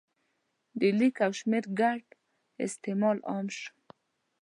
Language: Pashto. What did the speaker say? د لیک او شمېر ګډ استعمال عام شو.